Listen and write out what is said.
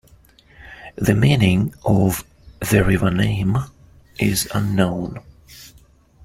The meaning of the river name is unknown.